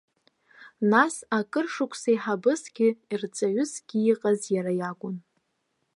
Нас акыр шықәса еиҳабысгьы, рҵаҩысгьы иҟаз иара иакәын.